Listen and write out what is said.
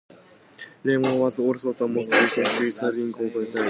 Romney was also the most recently serving governor of Michigan to have died.